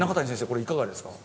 これいかがですか？